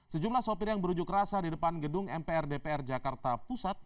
sejumlah sopir yang berujuk rasa di depan gedung mpr dpr jakarta pusat